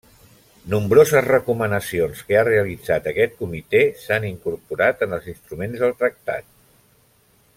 Nombroses recomanacions que ha realitzat aquest comitè s'ha incorporat en els instruments del tractat.